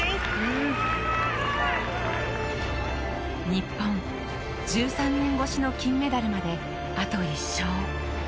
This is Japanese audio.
日本１３年越しの金メダルまであと１勝。